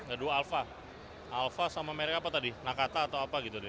aduh alfa alfa sama merek apa tadi nakata atau apa gitu deh